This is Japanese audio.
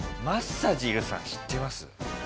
マッサジルさん知ってます？